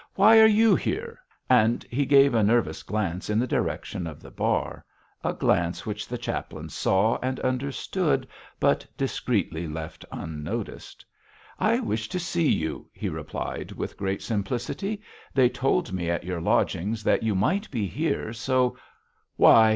'Why are you here?' and he gave a nervous glance in the direction of the bar; a glance which the chaplain saw and understood, but discreetly left unnoticed. 'I wish to see you,' he replied, with great simplicity; 'they told me at your lodgings that you might be here, so ' 'Why!'